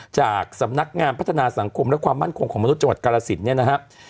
จากสำนักงานพัฒนาสังคมและความมั่นคงของมนุษย์จังหวัดกาลสินเนี่ยนะครับ